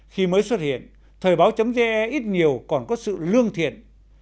khi mới xuất hiện thời báo ge ít nhiều còn có sự lương thiện